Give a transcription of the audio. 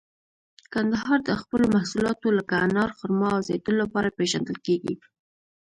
کندهار د خپلو محصولاتو لکه انار، خرما او زیتون لپاره پیژندل کیږي.